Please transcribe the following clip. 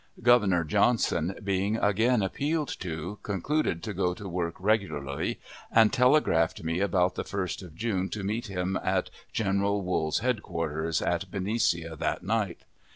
Governor Johnson, being again appealed to, concluded to go to work regularly, and telegraphed me about the 1st of June to meet him at General Wool's headquarters at Benicia that night.